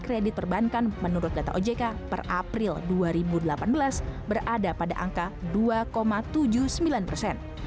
kredit perbankan menurut data ojk per april dua ribu delapan belas berada pada angka dua tujuh puluh sembilan persen